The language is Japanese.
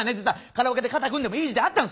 カラオケで肩組んでもいい時代あったんすよ。